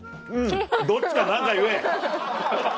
どっちか何か言え。